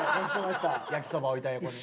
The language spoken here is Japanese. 焼きそば置いた横に。